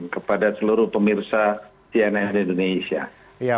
kepada seluruh pemirsa cnn indonesia